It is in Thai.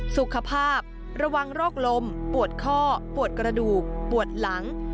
สุขภาพระวังโรคลมปวดข้อปวดกระดูกปวดหลัง